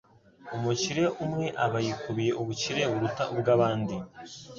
umukire umwe aba yikubiye ubukire buruta ubw'abandi